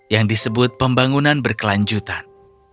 yang disebut pembangunan berkelanjutan